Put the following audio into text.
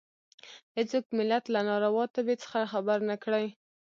هېڅوک ملت له ناروا تبې څخه خبر نه کړي.